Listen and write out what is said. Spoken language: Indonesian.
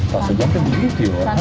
tak sejampang di youtube ya